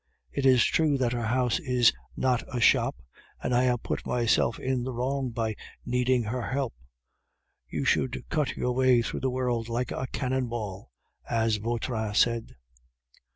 It is true that her house is not a shop, and I have put myself in the wrong by needing her help. You should cut your way through the world like a cannon ball, as Vautrin said."